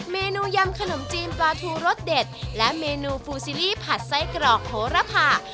เมนูยำขนมจีนปลาทูรสเด็ดและเมนูฟูซีรีส์ผัดไส้กรอกโหระพา